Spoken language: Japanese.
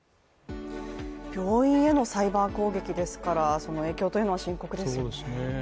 病院へのサイバー攻撃ですからその影響というのは深刻ですよね。